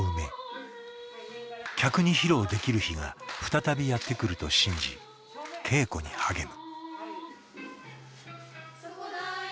客に披露できる日が再びやって来ると信じ稽古に励む。